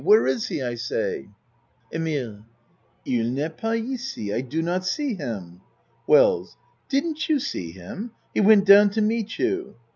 Where is he I say. EMILE II n'est pas ici. I do not see him. WELLS Didn't you see him? He went down to meet you.